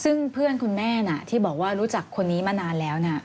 ซึ่งเพื่อนคุณแม่ที่บอกว่ารู้จักคนนี้มานานแล้ว